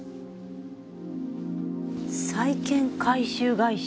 債権回収会社。